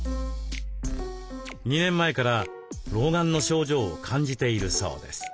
２年前から老眼の症状を感じているそうです。